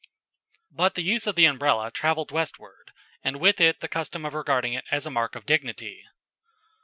But the use of the Umbrella travelled westward, and with it the custom of regarding it as a mark of dignity.